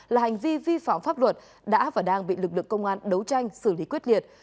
là hành vi vi phạm pháp luật đã và đang bị lực lượng công an đấu tranh xử lý quyết liệt